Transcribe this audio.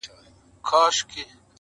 علم د انسان قوت دی.